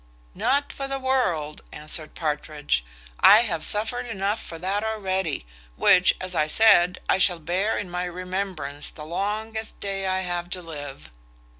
"Not for the world," answered Partridge, "I have suffered enough for that already; which, as I said, I shall bear in my remembrance the longest day I have to live."